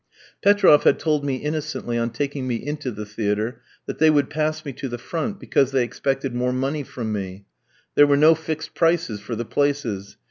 Petroff had told me innocently, on taking me into the theatre, that they would pass me to the front, because they expected more money from me. There were no fixed prices for the places.